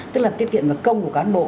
tức là tiết kiệm là công của cán bộ